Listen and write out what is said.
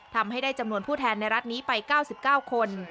ทำให้ได้จำนวนผู้แทนในรัฐนี้ไป๙๙คน